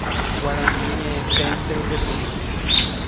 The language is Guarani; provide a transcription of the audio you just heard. Guarani ñe'ẽténte ojepuru.